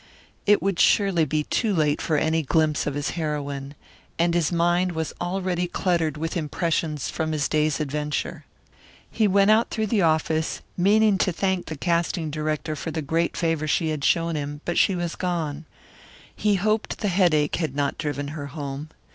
It would surely be too late for any glimpse of his heroine. And his mind was already cluttered with impressions from his day's adventure. He went out through the office, meaning to thank the casting director for the great favour she had shown him, but she was gone. He hoped the headache had not driven her home.